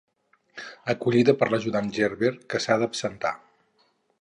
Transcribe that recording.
Acollida per l'ajudant Gerber, que s'ha d'absentar.